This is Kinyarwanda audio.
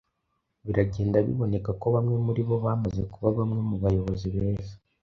biragenda biboneka ko bamwe muri bo bamaze kuba bamwe mu bayobozi beza